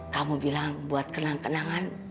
kamu bilang buat kenang kenangan